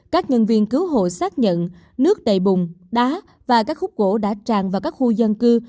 các nhân viên cứu hộ xác nhận nước đầy bùng đá và các khúc gỗ đã tràn vào các khu dân cư